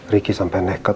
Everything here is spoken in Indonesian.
ricky sampai nekat